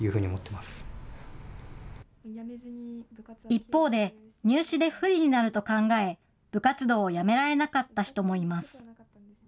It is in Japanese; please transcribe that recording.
一方で、入試で不利になると考え、部活動をやめられなかった人もいます。